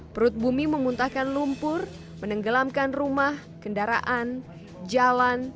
perut bumi memuntahkan lumpur menenggelamkan rumah kendaraan jalan